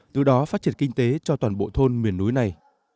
từ đó phát triển kinh tế cho toàn bộ thôn miền núi này